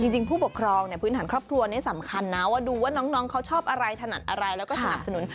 จริงผู้ปกครองพื้นฐานครอบครัวนี้สำคัญนะว่าดูว่าน้องเขาชอบอะไรถนัดอะไรแล้วก็สนับสนุน